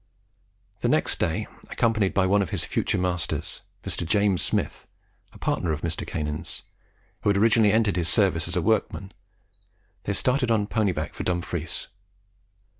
The next day, accompanied by one of his future masters, Mr. James Smith, a partner of Mr. Cannan's, who had originally entered his service as a workman, they started on ponyback for Dumfries.